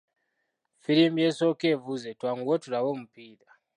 Ffirimbi asooka evuze, twanguwe tulabe omupiira.